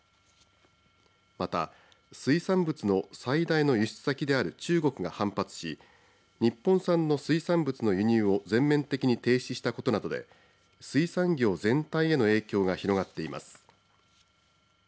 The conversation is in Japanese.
また水産物の最大の輸出先である中国が反発し日本産の水産物の輸入を全面的に停止したことなどで水産業全体への影響が広がっています。